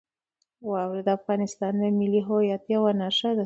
واوره د افغانستان د ملي هویت یوه نښه ده.